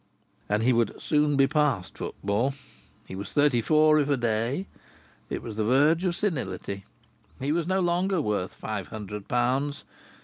And he would "soon be past football!" He was "thirty four if a day!" It was the verge of senility! He was no longer worth five hundred pounds.